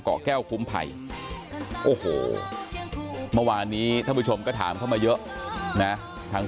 แก้วคุ้มภัยโอ้โหเมื่อวานนี้ท่านผู้ชมก็ถามเข้ามาเยอะนะทั้ง